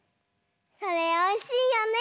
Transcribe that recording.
それおいしいよね。